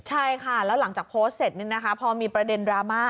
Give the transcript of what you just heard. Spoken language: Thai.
ใช่ค่ะแล้วหลังจากโพสต์เสร็จพอมีประเด็นดราม่า